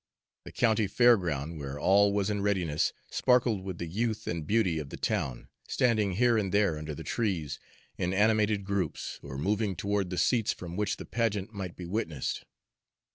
The county fairground, where all was in readiness, sparkled with the youth and beauty of the town, standing here and there under the trees in animated groups, or moving toward the seats from which the pageant might be witnessed.